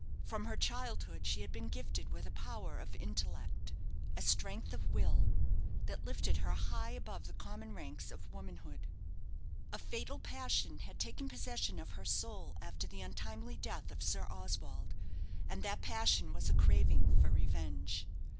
From her childhood she had been gifted with a power of intellect a strength of will that lifted her high above the common ranks of womanhood. A fatal passion had taken possession of her soul after the untimely death of Sir Oswald; and that passion was a craving for revenge.